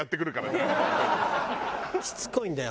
しつこいんだよ